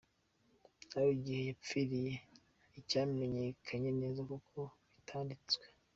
Nawe igihe yapfiriye nticyamenyekanye neza kuko bitanditswe.